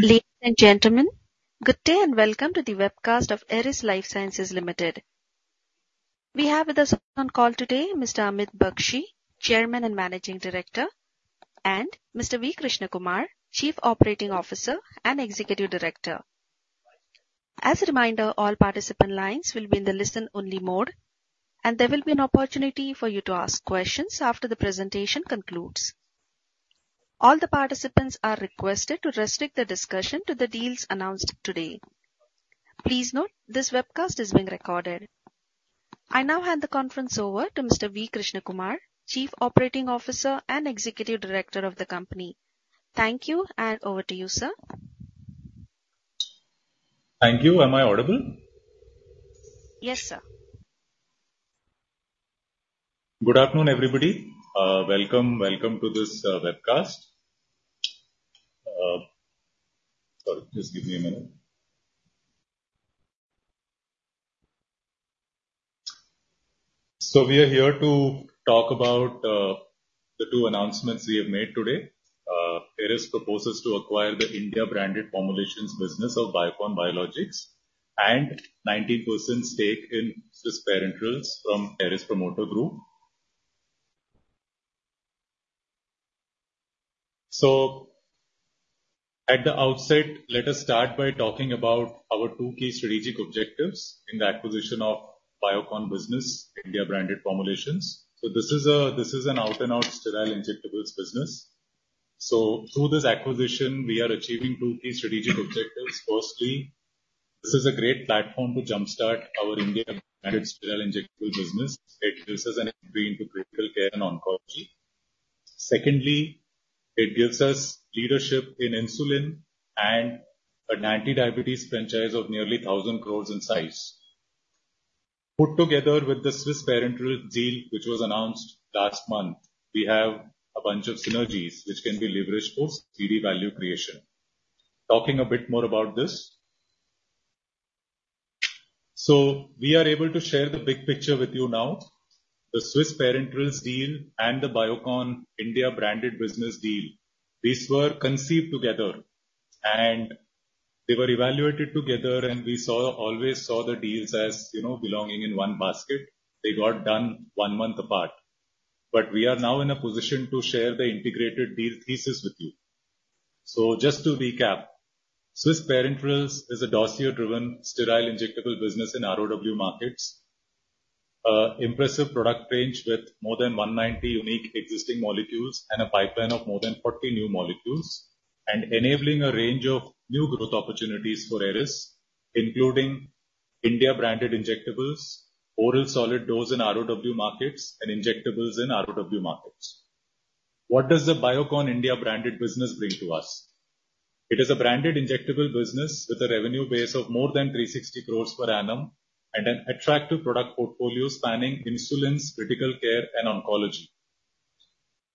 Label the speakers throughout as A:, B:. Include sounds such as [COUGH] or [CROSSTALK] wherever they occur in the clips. A: Ladies and gentlemen, good day and welcome to the webcast of Eris Lifesciences Limited. We have with us on call today Mr. Amit Bakshi, Chairman and Managing Director, and Mr. V. Krishnakumar, Chief Operating Officer and Executive Director. As a reminder, all participant lines will be in the listen-only mode, and there will be an opportunity for you to ask questions after the presentation concludes. All the participants are requested to restrict their discussion to the deals announced today. Please note, this webcast is being recorded. I now hand the conference over to Mr. V. Krishnakumar, Chief Operating Officer and Executive Director of the company. Thank you, and over to you, sir.
B: Thank you. Am I audible?
A: Yes, sir.
B: Good afternoon, everybody. Welcome, welcome to this webcast. Sorry, just give me a minute. So we are here to talk about the two announcements we have made today. Eris proposes to acquire the India-branded formulations business of Biocon Biologics and 19% stake in Swiss Parenterals from Eris Promoter Group. So at the outset, let us start by talking about our two key strategic objectives in the acquisition of Biocon business, India-branded formulations. So this is an out-and-out sterile injectables business. So through this acquisition, we are achieving two key strategic objectives. Firstly, this is a great platform to jump-start our India-branded sterile injectable business. It gives us an entry into critical care and oncology. Secondly, it gives us leadership in insulin and an anti-diabetes franchise of nearly 1,000 crores in size. Put together with the Swiss Parenterals deal, which was announced last month, we have a bunch of synergies which can be leveraged for CD value creation. Talking a bit more about this. So we are able to share the big picture with you now. The Swiss Parenterals deal and the Biocon India-branded business deal, these were conceived together, and they were evaluated together, and we always saw the deals as, you know, belonging in one basket. They got done one month apart. But we are now in a position to share the integrated deal thesis with you. So just to recap, Swiss Parenterals is a dossier-driven sterile injectable business in ROW markets, impressive product range with more than 190 unique existing molecules and a pipeline of more than 40 new molecules, and enabling a range of new growth opportunities for Eris, including India-branded injectables, oral solid dose in ROW markets, and injectables in ROW markets. What does the Biocon India-branded business bring to us? It is a branded injectable business with a revenue base of more than 360 crores per annum and an attractive product portfolio spanning insulins, critical care, and oncology.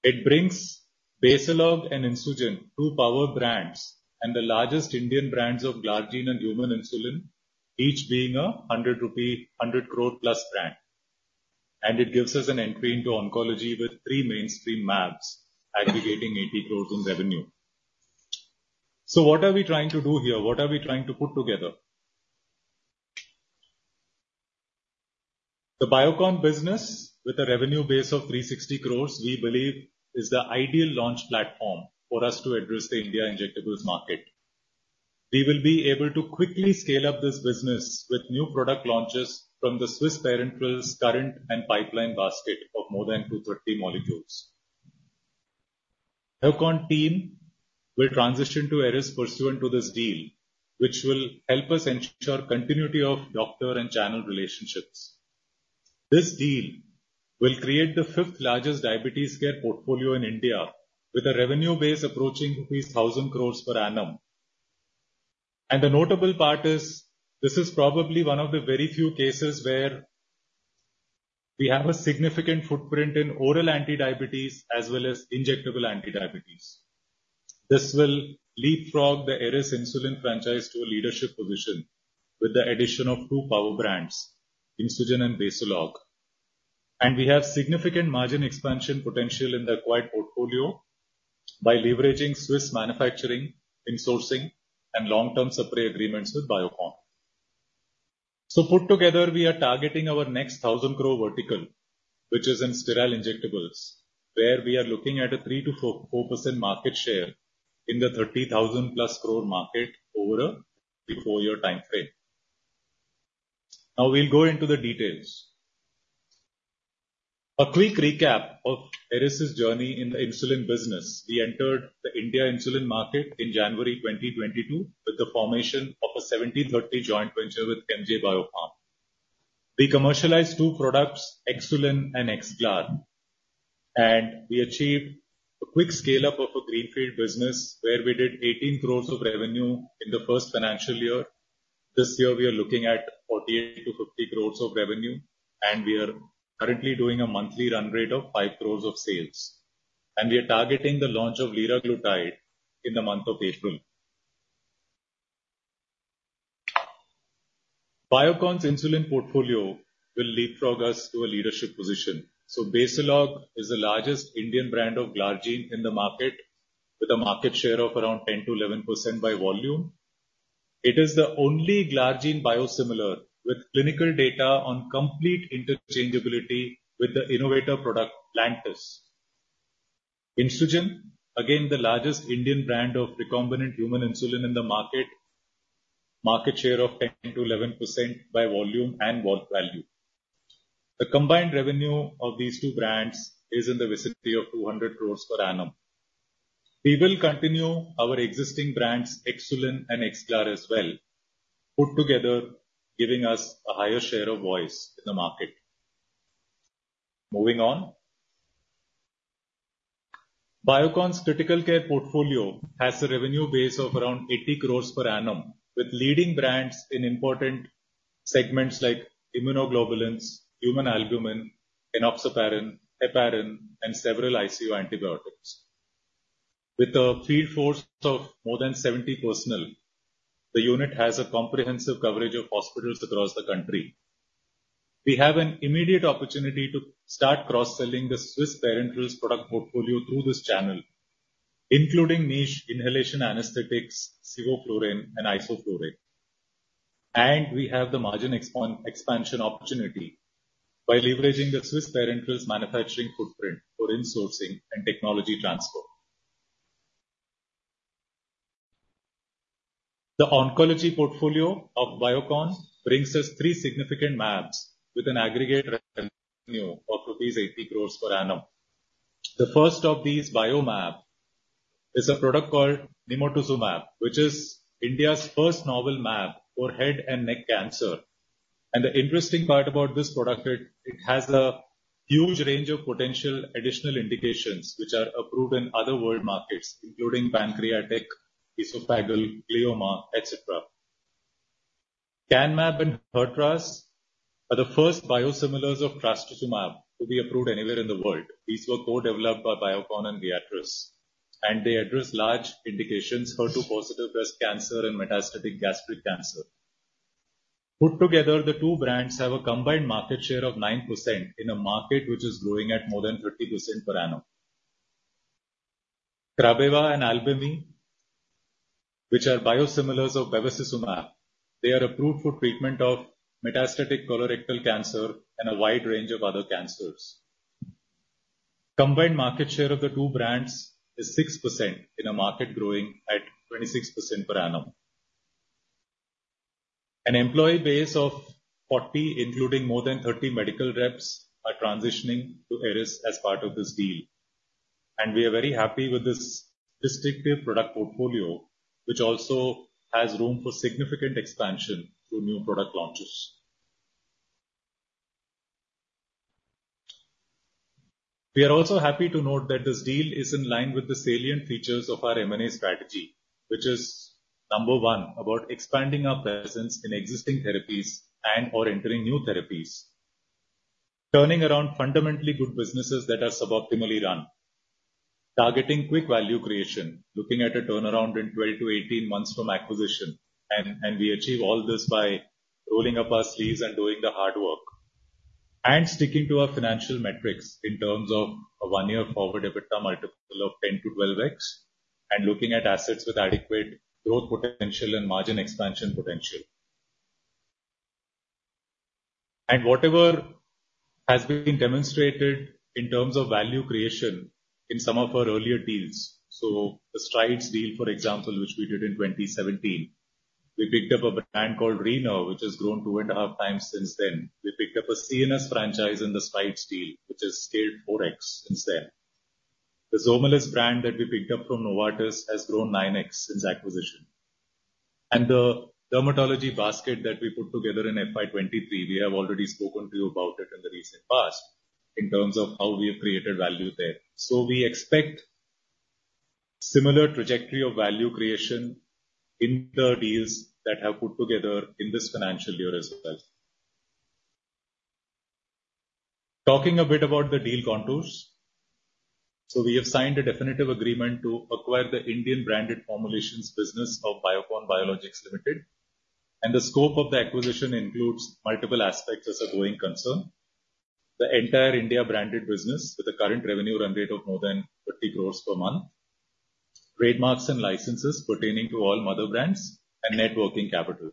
B: It brings Basalog and Insugen, two power brands and the largest Indian brands of glargine and human insulin, each being a 100 crore plus brand. And it gives us an entry into oncology with three mainstream MABs aggregating 80 crores in revenue. So what are we trying to do here? What are we trying to put together? The Biocon business, with a revenue base of 360 crores, we believe is the ideal launch platform for us to address the India injectables market. We will be able to quickly scale up this business with new product launches from the Swiss Parenterals current and pipeline basket of more than 230 molecules. Biocon team will transition to Eris pursuant to this deal, which will help us ensure continuity of doctor and channel relationships. This deal will create the fifth largest diabetes care portfolio in India, with a revenue base approaching 1,000 crores per annum. And the notable part is, this is probably one of the very few cases where we have a significant footprint in oral anti-diabetes as well as injectable anti-diabetes. This will leapfrog the Eris insulin franchise to a leadership position with the addition of two power brands, Insugen and Basalog. We have significant margin expansion potential in the acquired portfolio by leveraging Swiss manufacturing, insourcing, and long-term supply agreements with Biocon. So put together, we are targeting our next 1,000 crore vertical, which is in sterile injectables, where we are looking at a 3%-4% market share in the 30,000+ crore market over a three to four year time frame. Now we'll go into the details. A quick recap of Eris's journey in the insulin business: we entered the India insulin market in January 2022 with the formation of a 70-30 joint venture with MJ Biopharm. We commercialized two products, Xsulin and Xglar. And we achieved a quick scale-up of a greenfield business where we did 18 crore of revenue in the first financial year. This year, we are looking at 48-50 crore of revenue, and we are currently doing a monthly run rate of 5 crore of sales. We are targeting the launch of liraglutide in the month of April. Biocon's insulin portfolio will leapfrog us to a leadership position. So Basalog is the largest Indian brand of glargine in the market, with a market share of around 10%-11% by volume. It is the only glargine biosimilar with clinical data on complete interchangeability with the innovator product Lantus. Insugen, again, the largest Indian brand of recombinant human insulin in the market, market share of 10%-11% by volume and value. The combined revenue of these two brands is in the vicinity of 200 crores per annum. We will continue our existing brands, Xsulin and Xglar, as well, put together, giving us a higher share of voice in the market. Moving on. Biocon's critical care portfolio has a revenue base of around 80 crore per annum, with leading brands in important segments like immunoglobulins, human albumin, enoxaparin, heparin, and several ICU antibiotics. With a field force of more than 70 personnel, the unit has a comprehensive coverage of hospitals across the country. We have an immediate opportunity to start cross-selling the Swiss Parenterals product portfolio through this channel, including niche inhalation anesthetics, sevoflurane, and isoflurane. We have the margin expansion opportunity by leveraging the Swiss Parenterals manufacturing footprint for insourcing and technology transfer. The oncology portfolio of Biocon brings us three significant MABs with an aggregate revenue of rupees 80 crore per annum. The first of these, BIOMAb, is a product called Nimotuzumab, which is India's first novel MAB for head and neck cancer. The interesting part about this product, it has a huge range of potential additional indications, which are approved in other world markets, including pancreatic, esophageal, glioma, etc. CANMAb and Hertraz are the first biosimilars of trastuzumab to be approved anywhere in the world. These were co-developed by Biocon and Viatris. They address large indications, HER2-positive breast cancer, and metastatic gastric cancer. Put together, the two brands have a combined market share of 9% in a market which is growing at more than 30% per annum. Krabeva and Abevmy, which are biosimilars of bevacizumab, they are approved for treatment of metastatic colorectal cancer and a wide range of other cancers. Combined market share of the two brands is 6% in a market growing at 26% per annum. An employee base of 40, including more than 30 medical reps, are transitioning to Eris as part of this deal. We are very happy with this distinctive product portfolio, which also has room for significant expansion through new product launches. We are also happy to note that this deal is in line with the salient features of our M&A strategy, which is number one, about expanding our presence in existing therapies and/or entering new therapies, turning around fundamentally good businesses that are suboptimally run, targeting quick value creation, looking at a turnaround in 12-18 months from acquisition. We achieve all this by rolling up our sleeves and doing the hard work, and sticking to our financial metrics in terms of a one-year forward EBITDA multiple of 10x-12x, and looking at assets with adequate growth potential and margin expansion potential. Whatever has been demonstrated in terms of value creation in some of our earlier deals, so the Strides deal, for example, which we did in 2017, we picked up a brand called Renerve, which has grown 2.5x since then. We picked up a CNS franchise in the Strides deal, which has scaled 4x since then. The Zomelis brand that we picked up from Novartis has grown 9x since acquisition. And the dermatology basket that we put together in FY23, we have already spoken to you about it in the recent past in terms of how we have created value there. So we expect similar trajectory of value creation in the deals that have put together in this financial year as well. Talking a bit about the deal contours. So we have signed a definitive agreement to acquire the Indian-branded formulations business of Biocon Biologics Limited. The scope of the acquisition includes multiple aspects as a going concern: the entire India-branded business with a current revenue run rate of more than 30 crore per month, trademarks and licenses pertaining to all mother brands, and working capital.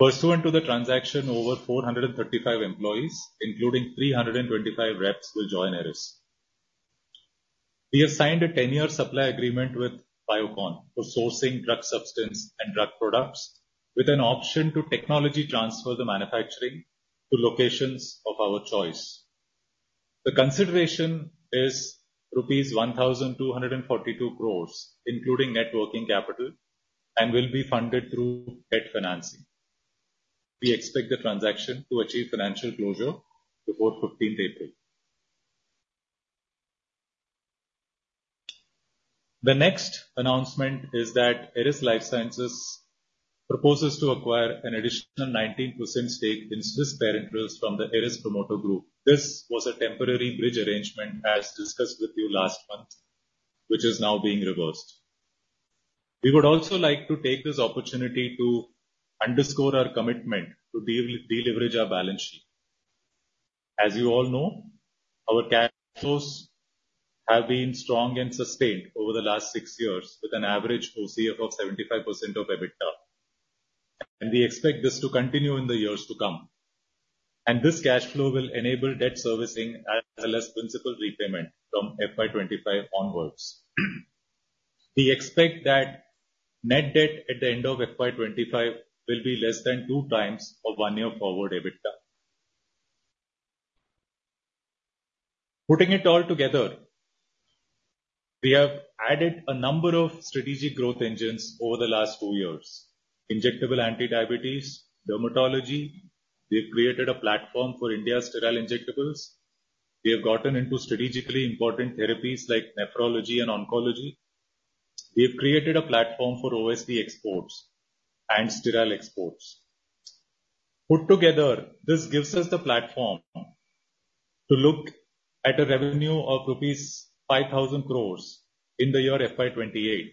B: Pursuant to the transaction, over 435 employees, including 325 reps, will join Eris. We have signed a 10-year supply agreement with Biocon for sourcing drug substance and drug products, with an option to technology transfer the manufacturing to locations of our choice. The consideration is rupees 1,242 crore, including working capital, and will be funded through debt financing. We expect the transaction to achieve financial closure before 15th April. The next announcement is that Eris Lifesciences proposes to acquire an additional 19% stake in Swiss Parenterals from the Eris Promoter Group. This was a temporary bridge arrangement, as discussed with you last month, which is now being reversed. We would also like to take this opportunity to underscore our commitment to de-leverage our balance sheet. As you all know, our cash flows have been strong and sustained over the last six years, with an average OCF of 75% of EBITDA. We expect this to continue in the years to come. This cash flow will enable debt servicing as well as principal repayment from FY25 onwards. We expect that Net Debt at the end of FY25 will be less than two times of one-year forward EBITDA. Putting it all together, we have added a number of strategic growth engines over the last two years: injectable anti-diabetes, dermatology. We have created a platform for India's sterile injectables. We have gotten into strategically important therapies like nephrology and oncology. We have created a platform for OSD exports and sterile exports. Put together, this gives us the platform to look at a revenue of rupees 5,000 crore in the year FY28.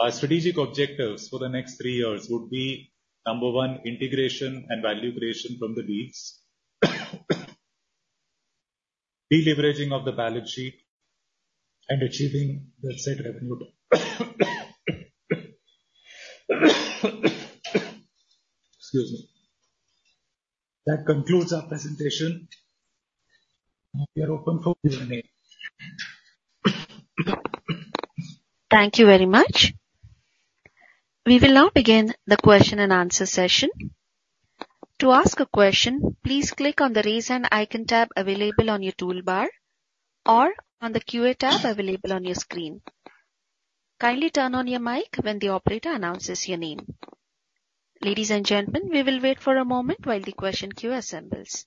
B: Our strategic objectives for the next three years would be, number one, integration and value creation from the leads, de-leveraging of the balance sheet, and achieving that set revenue. Excuse me. That concludes our presentation. We are open for Q&A.
A: Thank you very much. We will now begin the question-and-answer session. To ask a question, please click on the raise hand icon tab available on your toolbar or on the QA tab available on your screen. Kindly turn on your mic when the operator announces your name. Ladies and gentlemen, we will wait for a moment while the question queue assembles.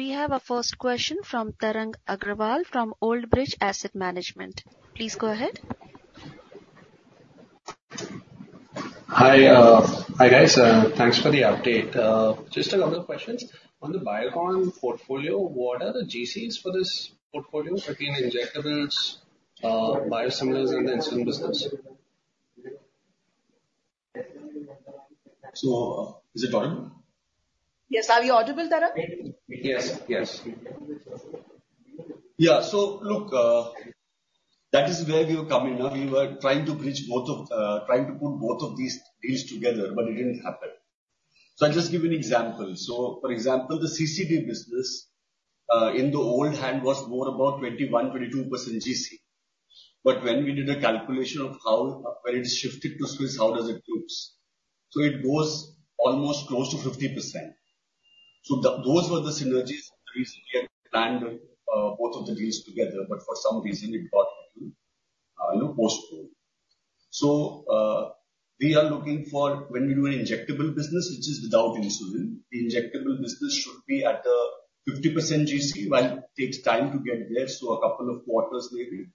A: We have a first question from Tarang Agrawal from Old Bridge Asset Management. Please go ahead.
C: Hi. Hi, guys. Thanks for the update. Just a couple of questions. On the Biocon portfolio, what are the GCs for this portfolio between injectables, biosimilars, and the insulin business?
B: Is it audible?
A: Yes. Are we audible, Tarang?
C: Yes.
D: Yes. Yeah. So look, that is where we have come in. We were trying to bridge both of trying to put both of these deals together, but it didn't happen. So I'll just give you an example. So for example, the CCD business in the old hand was more about 21%-22% GC. But when we did a calculation of where it has shifted to Swiss, how does it looks? So it goes almost close to 50%. So those were the synergies. The reason we had planned both of the deals together, but for some reason, it got postponed. So we are looking for when we do an injectable business, which is without insulin, the injectable business should be at 50% GC, while it takes time to get there, so a couple of quarters maybe.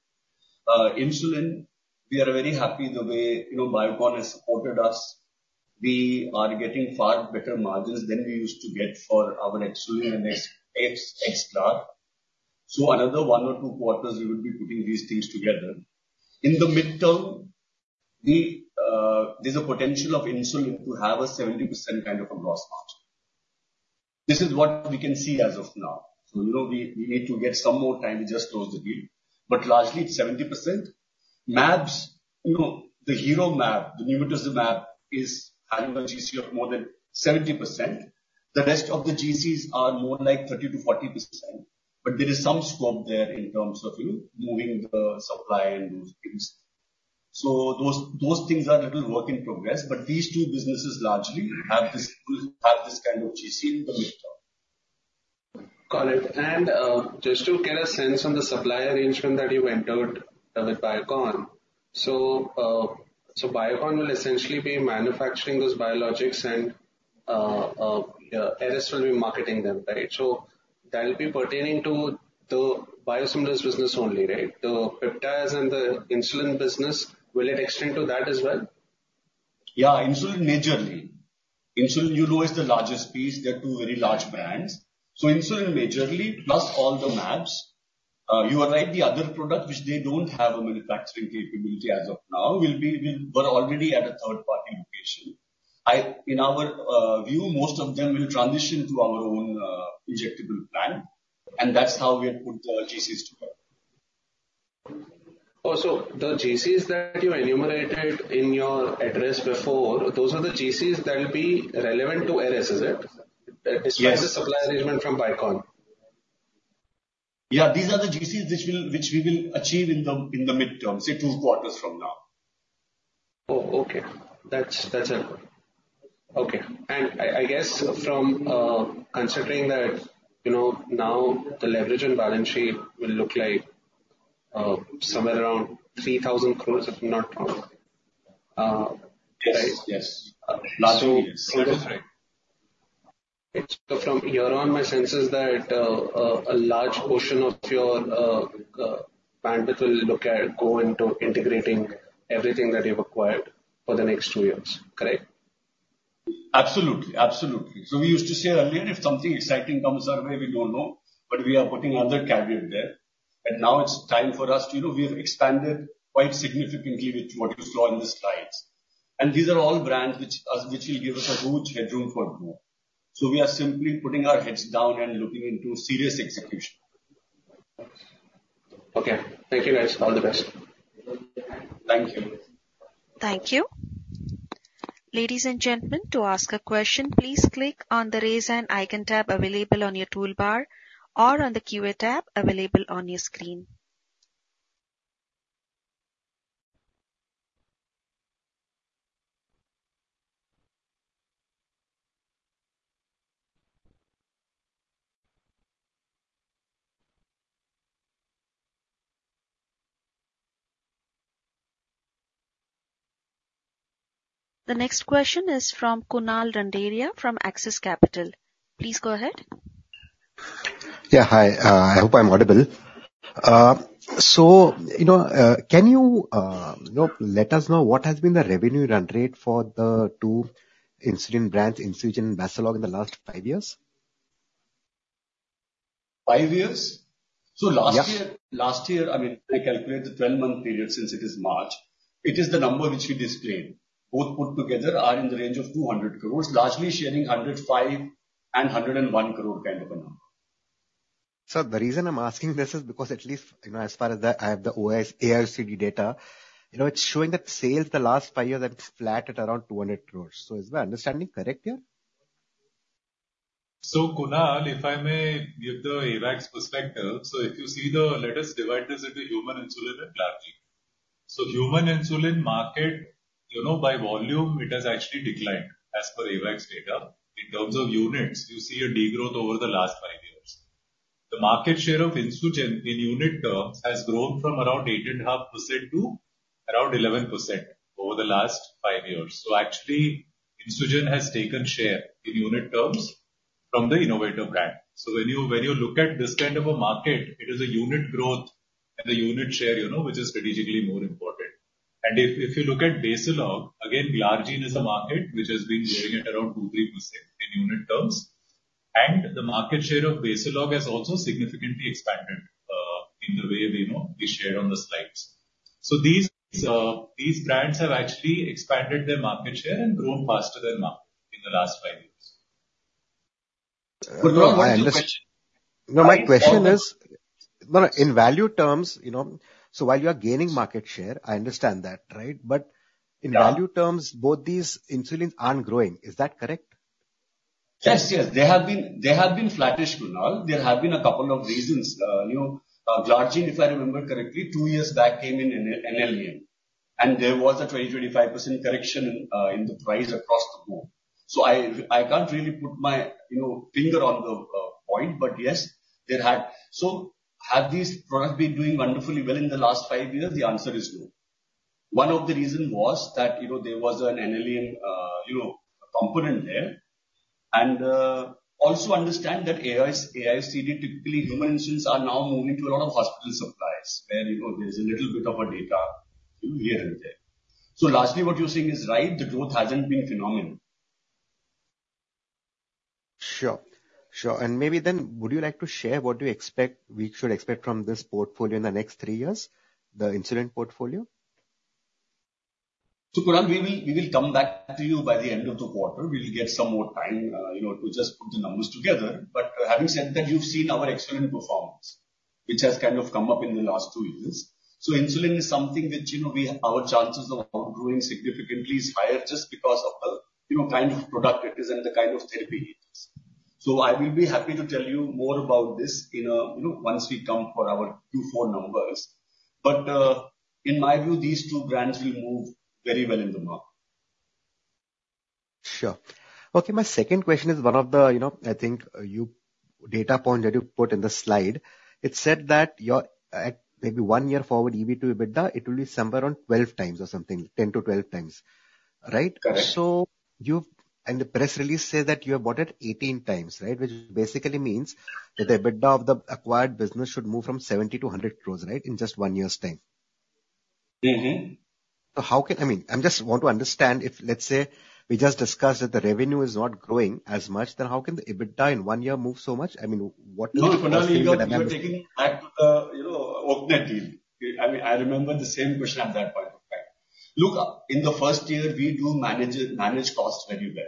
D: Insulin, we are very happy the way Biocon has supported us. We are getting far better margins than we used to get for our Xsulin and Xglar. So another one or two quarters, we would be putting these things together. In the midterm, there's a potential of insulin to have a 70% kind of a gross margin. This is what we can see as of now. So we need to get some more time to just close the deal. But largely, it's 70%. MABs, the Hertraz, the nimotuzumab, is having a GC of more than 70%. The rest of the GCs are more like 30%-40%. But there is some scope there in terms of moving the supply and those things. So those things are a little work in progress. But these two businesses, largely, have this kind of GC in the midterm.
C: Got it. Just to get a sense on the supply arrangement that you entered with Biocon, so Biocon will essentially be manufacturing those biologics, and Eris will be marketing them, right? So that will be pertaining to the biosimilars business only, right? The peptides and the insulin business, will it extend to that as well?
D: Yeah. Insulin, majorly. Insulin, you know, is the largest piece. They're two very large brands. So insulin, majorly, plus all the MABs, you are right, the other product, which they don't have a manufacturing capability as of now, were already at a third-party location. In our view, most of them will transition to our own injectable plant. And that's how we have put the GCs together.
C: Oh, so the GCs that you enumerated in your address before, those are the GCs that will be relevant to Eris, is it, despite the supply arrangement from Biocon?
D: Yeah. These are the GCs which we will achieve in the midterm, say, two quarters from now.
C: Oh, okay. That's helpful. Okay. And I guess from considering that now the leverage and balance sheet will look like somewhere around 3,000 crore, if I'm not wrong, right?
D: Yes. Yes. Larger than 300.
C: From here on, my sense is that a large portion of your bandwidth will go into integrating everything that you've acquired for the next two years, correct?
D: Absolutely. Absolutely. So we used to say earlier, if something exciting comes our way, we don't know. But we are putting other credit there. And now it's time for us to we have expanded quite significantly with what you saw in the slides. And these are all brands which will give us a huge headroom for growth. So we are simply putting our heads down and looking into serious execution.
C: Okay. Thank you, guys. All the best.
D: Thank you.
A: Thank you. Ladies and gentlemen, to ask a question, please click on the raise hand icon tab available on your toolbar or on the QA tab available on your screen. The next question is from Kunal Randeria from Axis Capital. Please go ahead.
E: Yeah. Hi. I hope I'm audible. So can you let us know what has been the revenue run rate for the two insulin brands, Insugen and Basalog, in the last five years?
D: Five years? So last year, I mean, I calculate the 12-month period since it is March. It is the number which we displayed. Both put together are in the range of 200 crore, largely sharing 105 crore and 101 crore kind of a number.
E: Sir, the reason I'm asking this is because at least as far as I have the As per AIOCD data, it's showing that sales, the last five years, have flat at around 200 crore. So is my understanding correct here?
D: So Kunal, if I may give the Axis perspective, so if you see, let's divide this into human insulin and glargine. So human insulin market, by volume, it has actually declined as per Axis data. In terms of units, you see a degrowth over the last five years. The market share of Insugen in unit terms has grown from around 8.5% to around 11% over the last five years. So actually, Insugen has taken share in unit terms from the innovator brand. So when you look at this kind of a market, it is a unit growth and a unit share which is strategically more important. And if you look at Basalog, again, glargine is a market which has been growing at around 2%-3% in unit terms. And the market share of Basalog has also significantly expanded in the way we shared on the slides. These brands have actually expanded their market share and grown faster than market in the last five years. [AUDIO DISTORTION] But Kunal, what is the question?
E: No, my question is, in value terms, so while you are gaining market share, I understand that, right? But in value terms, both these insulins aren't growing. Is that correct?
D: Yes. Yes. They have been flattish, Kunal. There have been a couple of reasons. Glargine, if I remember correctly, two years back came in NLEM. And there was a 20%-25% correction in the price across the board. So I can't really put my finger on the point. But yes, so have these products been doing wonderfully well in the last five years? The answer is no. One of the reasons was that there was an NLEM component there. And also understand that AIOCD, typically, human insulins are now moving to a lot of hospital supplies where there's a little bit of data here and there. So largely, what you're saying is right. The growth hasn't been phenomenal.
E: Sure. Sure. Maybe then, would you like to share what do you expect we should expect from this portfolio in the next three years, the insulin portfolio?
D: So Kunal, we will come back to you by the end of the quarter. We'll get some more time to just put the numbers together. But having said that, you've seen our excellent performance, which has kind of come up in the last two years. So insulin is something which our chances of outgrowing significantly is higher just because of the kind of product it is and the kind of therapy it is. So I will be happy to tell you more about this once we come for our Q4 numbers. But in my view, these two brands will move very well in the market.
E: Sure. Okay. My second question is one of the, I think, data points that you put in the slide. It said that maybe one year forward, EBITDA to EBITDA, it will be somewhere around 12x or something, 10x-12x, right?
D: Correct.
E: The press release says that you have bought it 18 times, right, which basically means that the EBITDA of the acquired business should move from 70 crore-100 crore, right, in just one year's time. So how can I mean, I just want to understand if, let's say, we just discussed that the revenue is not growing as much, then how can the EBITDA in one year move so much? I mean, what do you think of the LMM?
D: No, Kunal, you are taking me back to the Oaknet deal. I mean, I remember the same question at that point of time. Look, in the first year, we do manage costs very well.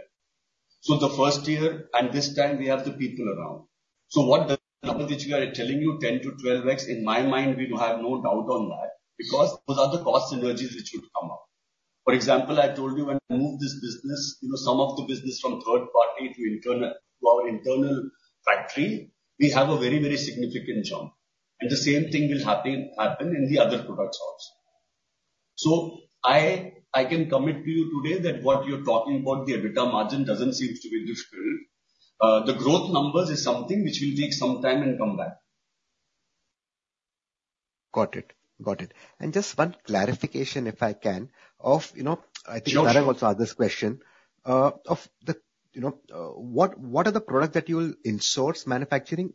D: So the first year, and this time, we have the people around. So what the numbers which we are telling you, 10x-12x, in my mind, we have no doubt on that because those are the cost synergies which would come up. For example, I told you when I moved this business, some of the business from third-party to our internal factory, we have a very, very significant jump. And the same thing will happen in the other products also. So I can commit to you today that what you're talking about, the EBITDA margin, doesn't seem to be difficult. The growth numbers is something which will take some time and come back.
E: Got it. Got it. And just one clarification, if I can, of I think Tarang also asked this question. Of what are the products that you will insource manufacturing?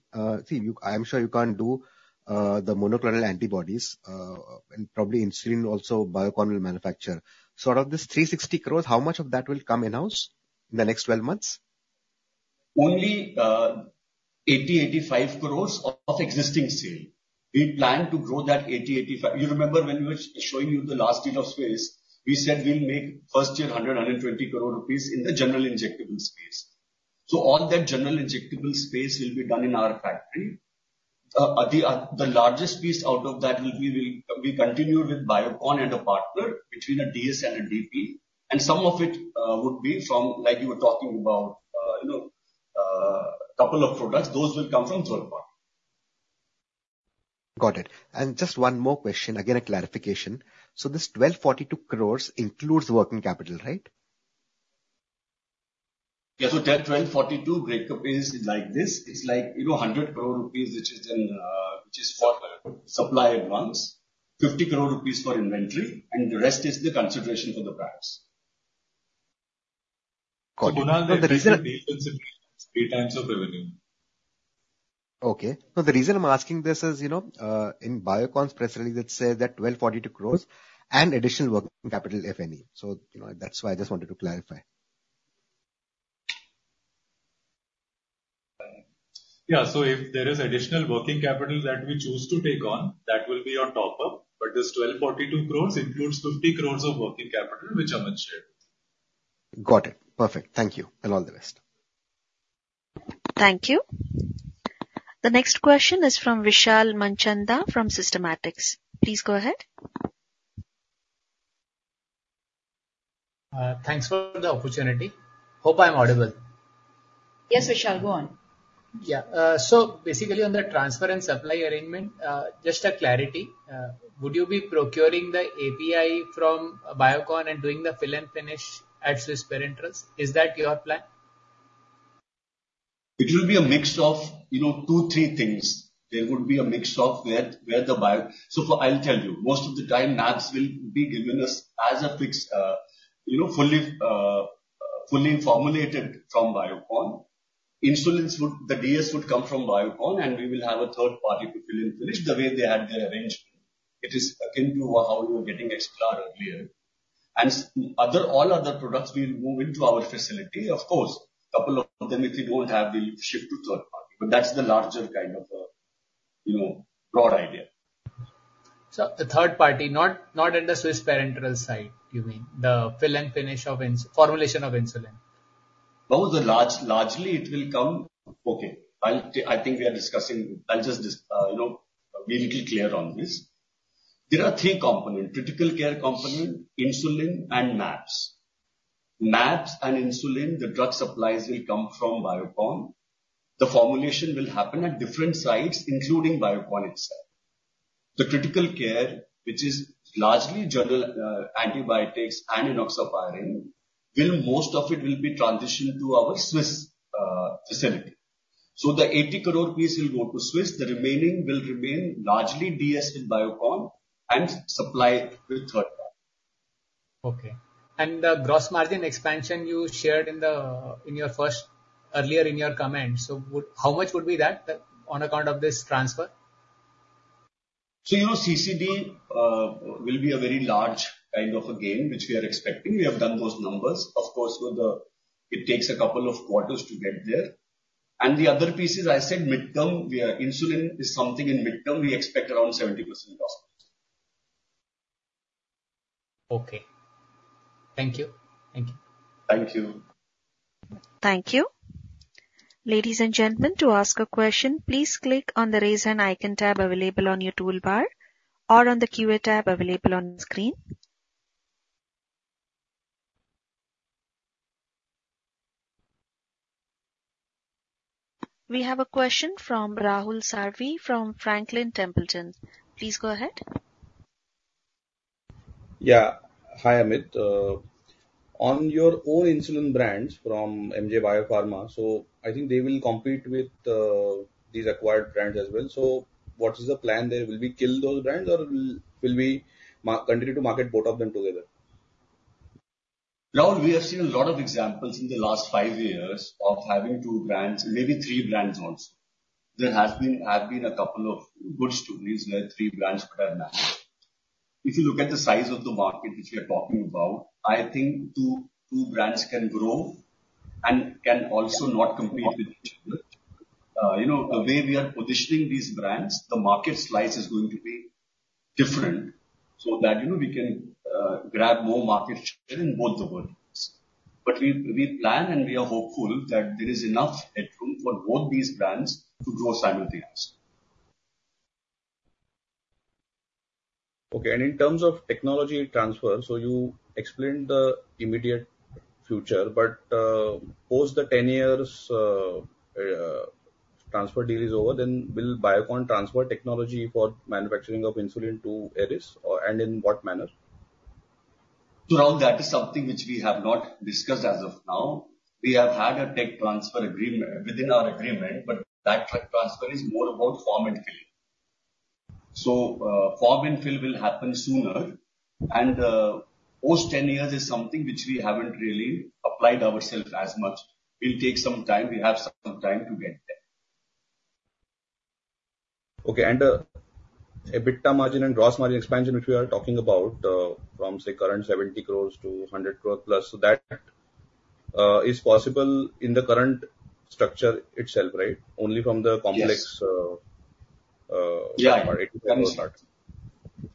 E: See, I'm sure you can't do the monoclonal antibodies. And probably Insugen also, Biocon will manufacture. So out of this 360 crore, how much of that will come in-house in the next 12 months?
D: Only 80-85 crore of existing sale. We plan to grow that 80-85. You remember when we were showing you the last deal of Swiss? We said we'll make first year 100-120 crore rupees in the general injectable space. So all that general injectable space will be done in our factory. The largest piece out of that will be we continue with Biocon and a partner between a DS and a DP. And some of it would be from, like you were talking about, a couple of products. Those will come from third-party.
E: Got it. Just one more question, again, a clarification. This 1,242 crore includes working capital, right?
D: Yeah. So 1,242 breakup is like this. It's like 100 crore rupees, which is for supply advance, 50 crore rupees for inventory, and the rest is the consideration for the brands.
E: Got it. So the reason? So the reason I'm asking this is in Biocon's press release, it says that 1,242 crores and additional working capital, if any. So that's why I just wanted to clarify.
D: Yeah. So if there is additional working capital that we choose to take on, that will be our top-up. But this 1,242 crores includes 50 crores of working capital, which are much shared.
E: Got it. Perfect. Thank you. And all the best.
A: Thank you. The next question is from Vishal Manchanda from Systematix. Please go ahead.
F: Thanks for the opportunity. Hope I'm audible.
A: Yes, Vishal. Go on.
F: Yeah. So basically, on the transfer and supply arrangement, just a clarity. Would you be procuring the API from Biocon and doing the fill and finish at Swiss Parenterals? Is that your plan?
B: It will be a mix of two, three things. There would be a mix of where the bios, so I'll tell you, most of the time, MABs will be given us as a finished, fully formulated from Biocon. The DS would come from Biocon, and we will have a third party to fill and finish the way they had their arrangement. It is akin to how you were getting Xglar earlier. All other products, we will move into our facility, of course. A couple of them, if we don't have, we'll shift to third party. That's the larger kind of broad idea.
F: A third party, not at the Swiss Parenterals side, you mean, the fill and finish of formulation of insulin?
B: Both are largely, it will come okay. I think we are discussing. I'll just be a little clear on this. There are three components: critical care component, insulin, and MABs. MABs and insulin, the drug supplies will come from Biocon. The formulation will happen at different sites, including Biocon itself. The critical care, which is largely general antibiotics and enoxaparin, most of it will be transitioned to our Swiss facility. So the 80 crore piece will go to Swiss. The remaining will remain largely DS in Biocon and supply with third party.
F: Okay. And the gross margin expansion you shared in your first earlier in your comments, so how much would be that on account of this transfer?
B: So CCD will be a very large kind of a gain, which we are expecting. We have done those numbers. Of course, it takes a couple of quarters to get there. The other pieces, I said, insulin is something in midterm. We expect around 70% gross margin.
F: Okay. Thank you. Thank you.
B: Thank you.
A: Thank you. Ladies and gentlemen, to ask a question, please click on the raise hand icon tab available on your toolbar or on the QA tab available on the screen. We have a question from Rahul Sarvaiya from Franklin Templeton. Please go ahead.
G: Yeah. Hi, Amit. On your own insulin brands from MJ Biopharm, so I think they will compete with these acquired brands as well. What is the plan there? Will we kill those brands, or will we continue to market both of them together?
D: Rahul, we have seen a lot of examples in the last five years of having two brands, maybe three brands also. There have been a couple of good studies where three brands could have managed. If you look at the size of the market which we are talking about, I think two brands can grow and can also not compete with each other. The way we are positioning these brands, the market slice is going to be different so that we can grab more market share in both the world. But we plan, and we are hopeful that there is enough headroom for both these brands to grow simultaneously.
G: Okay. And in terms of technology transfer, so you explained the immediate future. But post the 10-year transfer deal is over, then will Biocon transfer technology for manufacturing of insulin to Eris, and in what manner?
D: So Rahul, that is something which we have not discussed as of now. We have had a tech transfer agreement within our agreement, but that transfer is more about form and fill. So form and fill will happen sooner. And post 10 years is something which we haven't really applied ourselves as much. It will take some time. We have some time to get there.
G: Okay. And EBITDA margin and gross margin expansion which we are talking about from, say, current 70 crore to 100 crore plus, so that is possible in the current structure itself, right, only from the complex part?
D: Yeah.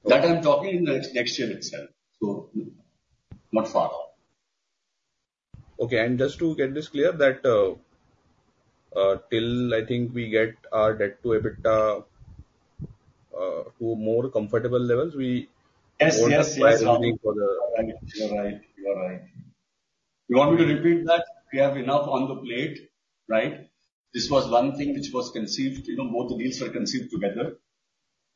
D: That I'm talking in the next year itself, so not far off.
G: Okay. And just to get this clear, that till I think we get our debt to EBITDA to more comfortable levels, we are still planning for the.
D: Yes. You're right. You're right. You're right. You want me to repeat that? We have enough on the plate, right? This was one thing which was conceived both the deals were conceived together,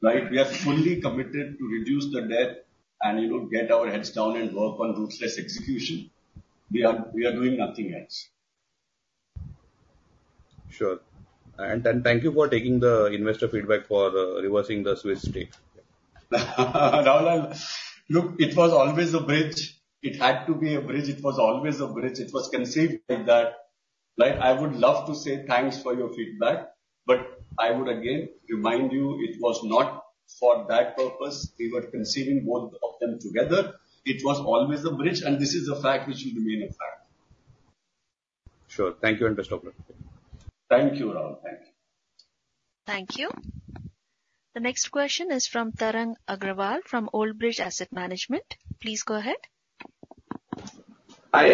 D: right? We have fully committed to reduce the debt and get our heads down and work on ruthless execution. We are doing nothing else.
G: Sure. And thank you for taking the investor feedback for reversing the Swiss stake.
D: Rahul, look, it was always a bridge. It had to be a bridge. It was always a bridge. It was conceived like that, right? I would love to say thanks for your feedback. But I would, again, remind you, it was not for that purpose. We were conceiving both of them together. It was always a bridge. And this is a fact which will remain a fact.
G: Sure. Thank you, Understood.
D: Thank you, Rahul. Thank you.
A: Thank you. The next question is from Tarang Agrawal from Old Bridge Asset Management. Please go ahead.
C: Hi.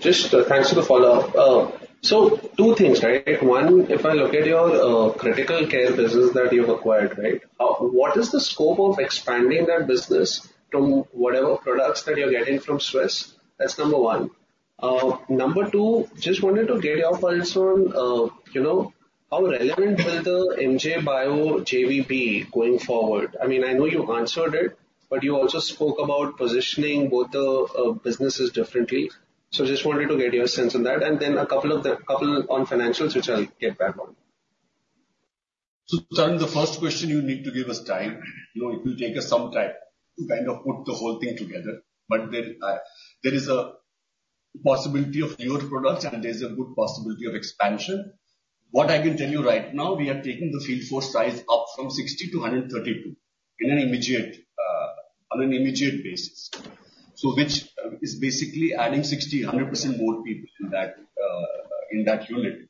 C: Just thanks for the follow-up. So two things, right? One, if I look at your critical care business that you've acquired, right, what is the scope of expanding that business to whatever products that you're getting from Swiss? That's number one. Number two, just wanted to get your pulse on how relevant will the MJ Biopharm JV going forward? I mean, I know you answered it, but you also spoke about positioning both the businesses differently. So just wanted to get your sense on that. And then a couple on financials, which I'll get back on.
B: So Tarang, the first question, you need to give us time. If you take us some time to kind of put the whole thing together. But there is a possibility of newer products, and there's a good possibility of expansion. What I can tell you right now, we are taking the field force size up from 60 to 132 on an immediate basis, which is basically adding 100% more people in that unit.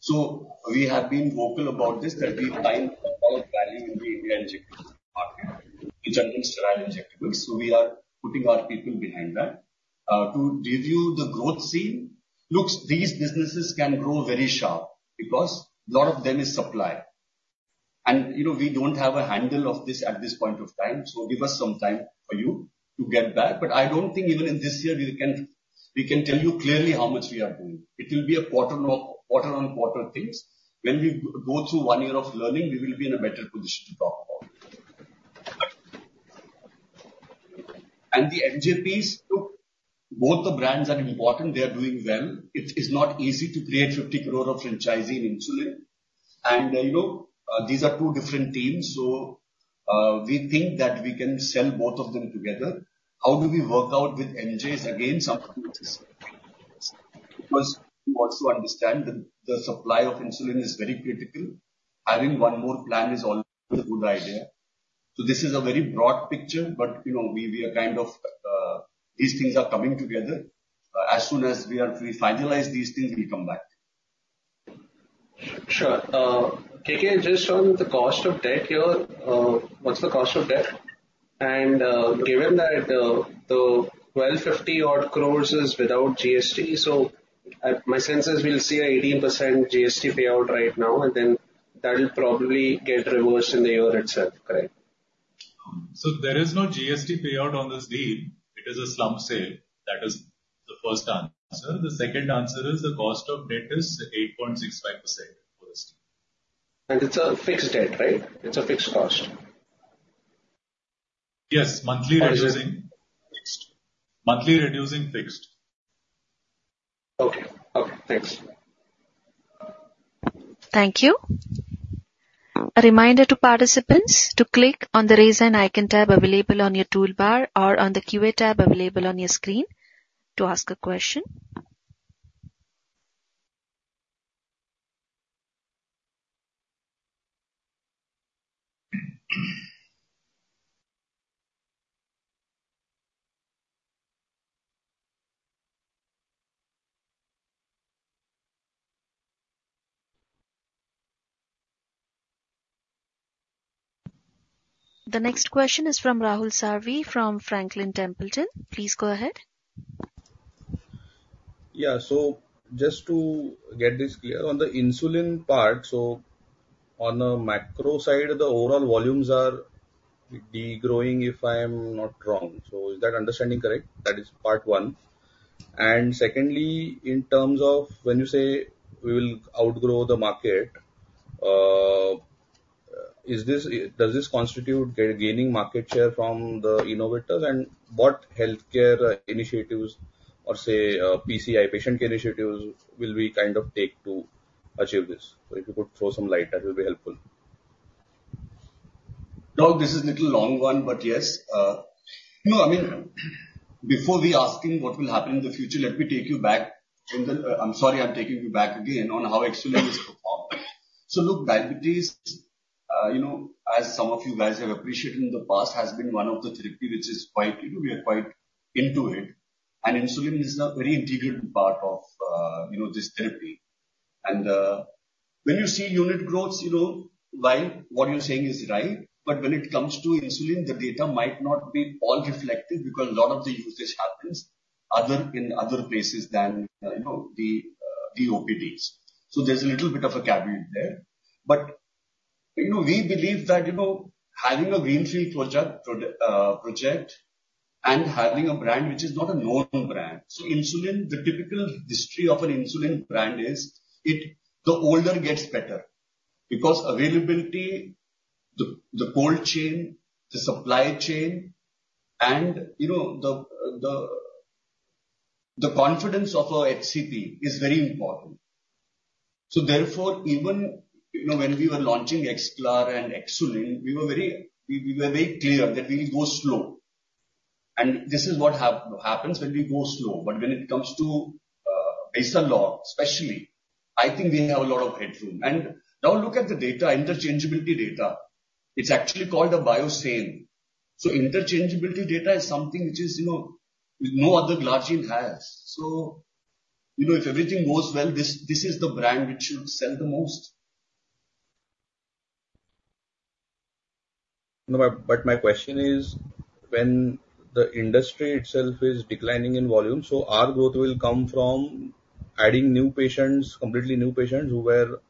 B: So we have been vocal about this, that we find value in the India injectable market, in general sterile injectables. So we are putting our people behind that. To give you the growth scene, look, these businesses can grow very sharp because a lot of them is supply. And we don't have a handle of this at this point of time. So give us some time for you to get back. But I don't think even in this year, we can tell you clearly how much we are doing. It will be a quarter-over-quarter things. When we go through one year of learning, we will be in a better position to talk about it. And the MJ piece, look, both the brands are important. They are doing well. It is not easy to create 50 crore franchisee in insulin. And these are two different teams. So we think that we can sell both of them together. How do we work out with MJs? Again, something is because we also understand that the supply of insulin is very critical. Having one more plan is always a good idea. So this is a very broad picture, but we are kind of these things are coming together. As soon as we finalize these things, we'll come back.
C: Sure. KK, just on the cost of debt here, what's the cost of debt? And given that the 1,250-odd crore is without GST, so my sense is we'll see an 18% GST payout right now, and then that'll probably get reversed in the year itself, correct?
D: There is no GST payout on this deal. It is a slump sale. That is the first answer. The second answer is the cost of debt is 8.65% for this deal.
C: And it's a fixed debt, right? It's a fixed cost?
D: Yes. Monthly reducing fixed. Monthly reducing fixed.
C: Okay. Okay. Thanks.
A: Thank you. A reminder to participants to click on the raise hand icon tab available on your toolbar or on the QA tab available on your screen to ask a question. The next question is from Rahul Sarvaiya from Franklin Templeton. Please go ahead.
G: Yeah. So just to get this clear, on the insulin part, so on the macro side, the overall volumes are degrowing, if I'm not wrong. So is that understanding correct? That is part one. And secondly, in terms of when you say we will outgrow the market, does this constitute gaining market share from the innovators? And what healthcare initiatives or, say, PCI, patient care initiatives, will we kind of take to achieve this? So if you could throw some light, that will be helpful.
D: Rahul, this is a little long one, but yes. No, I mean, before we ask him what will happen in the future, let me take you back in the. I'm sorry, I'm taking you back again on how excellent this performed. So look, diabetes, as some of you guys have appreciated in the past, has been one of the therapies which is quite we are quite into it. And insulin is a very integrated part of this therapy. And when you see unit growths, why? What you're saying is right. But when it comes to insulin, the data might not be all reflective because a lot of the usage happens in other places than the OPDs. So there's a little bit of a caveat there. But we believe that having a greenfield project and having a brand which is not a known brand, so insulin, the typical history of an insulin brand is the older gets better because availability, the cold chain, the supply chain, and the confidence of an HCP is very important. So therefore, even when we were launching Xglar and Xsulin, we were very clear that we will go slow. And this is what happens when we go slow. But when it comes to Basalog, especially, I think we have a lot of headroom. And now look at the data, interchangeability data. It's actually called a biosimilar. So interchangeability data is something which no other glargine has. So if everything goes well, this is the brand which should sell the most.
G: But my question is, when the industry itself is declining in volume, so our growth will come from adding completely new patients who were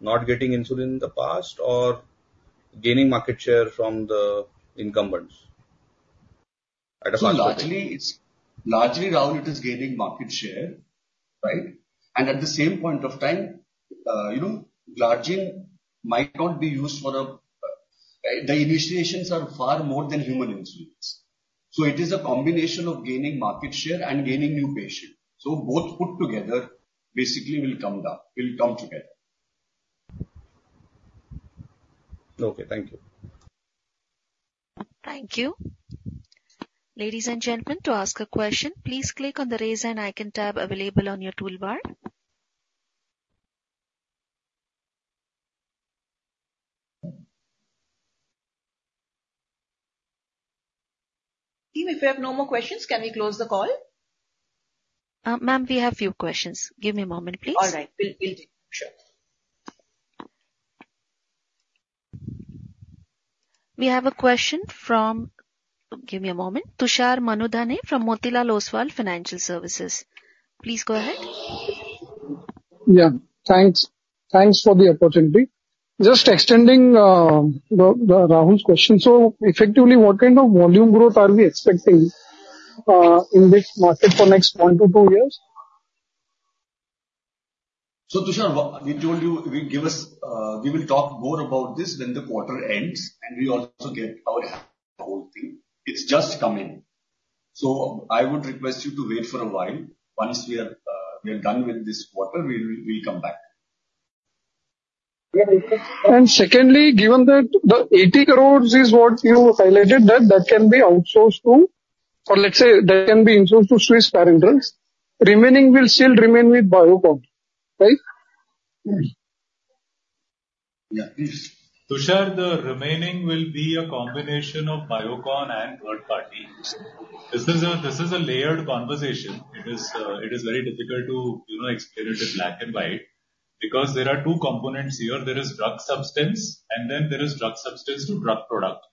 G: not getting insulin in the past or gaining market share from the incumbents at a faster rate?
D: So largely, Rahul, it is gaining market share, right? And at the same point of time, glargine might not be used for all the initiations are far more than human insulins. So it is a combination of gaining market share and gaining new patients. So both put together, basically, will come together.
G: Okay. Thank you.
A: Thank you. Ladies and gentlemen, to ask a question, please click on the raise hand icon tab available on your toolbar.
H: Team, if we have no more questions, can we close the call?
A: Ma'am, we have a few questions. Give me a moment, please.
H: All right. We'll do. Sure.
A: We have a question from, give me a moment, Tushar Manudhane from Motilal Oswal Financial Services. Please go ahead.
I: Yeah. Thanks. Thanks for the opportunity. Just extending Rahul's question. So effectively, what kind of volume growth are we expecting in this market for the next 1-2 years?
B: So Tushar, we told you we will talk more about this when the quarter ends, and we also get our whole thing. It's just come in. So I would request you to wait for a while. Once we are done with this quarter, we'll come back.
I: Secondly, given that the 80 crore is what you highlighted, that can be outsourced to or let's say that can be insourced to Swiss Parenterals. Remaining will still remain with Biocon, right?
B: Yeah. Tushar, the remaining will be a combination of Biocon and third-party. This is a layered conversation. It is very difficult to explain it in black and white because there are two components here. There is drug substance, and then there is drug substance to drug product.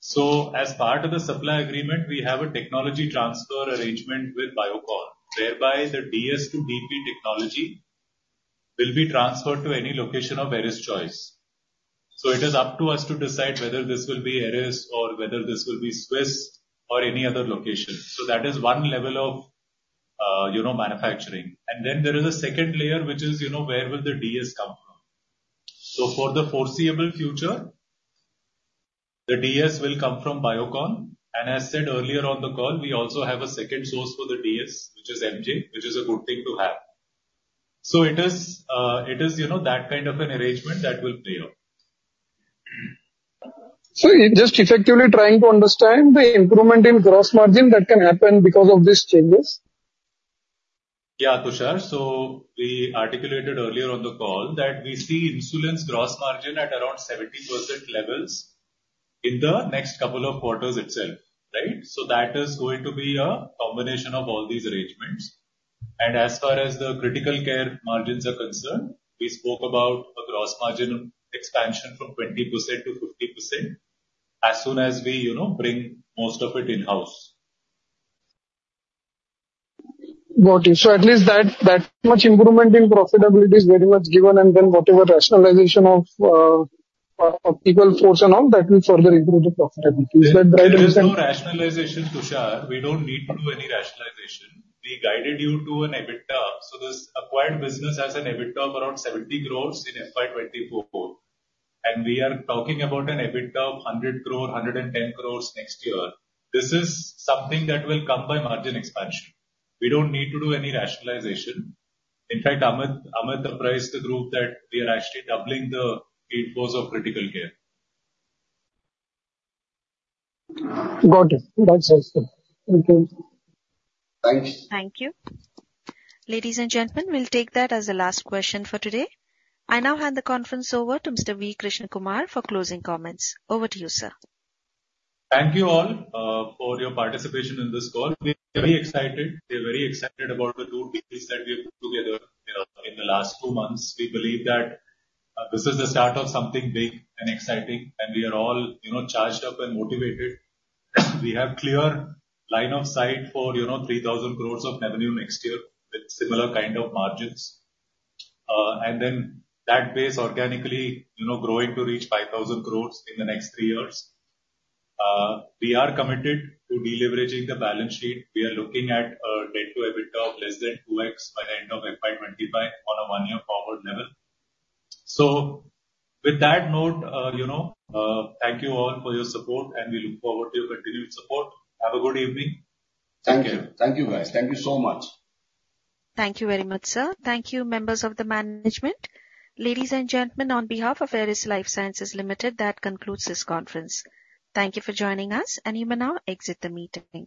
B: So as part of the supply agreement, we have a technology transfer arrangement with Biocon, whereby the DS to DP technology will be transferred to any location of Eris choice. So it is up to us to decide whether this will be Eris or whether this will be Swiss or any other location. So that is one level of manufacturing. And then there is a second layer which is where will the DS come from. So for the foreseeable future, the DS will come from Biocon. As said earlier on the call, we also have a second source for the DS, which is MJ, which is a good thing to have. It is that kind of an arrangement that will play out.
I: So just effectively trying to understand the improvement in gross margin that can happen because of these changes?
B: Yeah, Tushar. So we articulated earlier on the call that we see insulin's gross margin at around 70% levels in the next couple of quarters itself, right? So that is going to be a combination of all these arrangements. And as far as the critical care margins are concerned, we spoke about a gross margin expansion from 20%-50% as soon as we bring most of it in-house.
I: Got it. So at least that much improvement in profitability is very much given. And then whatever rationalization of equal force and all, that will further improve the profitability. Is that right?
B: There is no rationalization, Tushar. We don't need to do any rationalization. We guided you to an EBITDA. So this acquired business has an EBITDA of around 70 crore in FY24. And we are talking about an EBITDA of 100 crore, 110 crore next year. This is something that will come by margin expansion. We don't need to do any rationalization. In fact, Amit has approved that we are actually doubling the field force of critical care.
I: Got it. That's helpful. Thank you.
B: Thanks.
A: Thank you. Ladies and gentlemen, we'll take that as the last question for today. I now hand the conference over to Mr. V. Krishnakumar for closing comments. Over to you, sir.
B: Thank you all for your participation in this call. We are very excited. We are very excited about the two deals that we have put together in the last two months. We believe that this is the start of something big and exciting, and we are all charged up and motivated. We have a clear line of sight for 3,000 crore of revenue next year with similar kind of margins. Then that base organically growing to reach 5,000 crore in the next three years. We are committed to deleveraging the balance sheet. We are looking at a debt to EBITDA of less than 2x by the end of FY 2025 on a one-year forward level. With that note, thank you all for your support, and we look forward to your continued support. Have a good evening. Thank you. Thank you, guys. Thank you so much.
A: Thank you very much, sir. Thank you, members of the management. Ladies and gentlemen, on behalf of Eris Lifesciences Limited, that concludes this conference. Thank you for joining us. You may now exit the meeting.